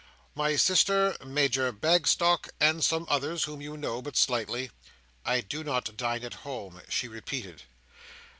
My sister, Major Bagstock, and some others whom you know but slightly." "I do not dine at home," she repeated.